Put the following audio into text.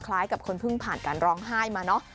กับคนเพิ่งผ่านการร้องไห้มาเนอะ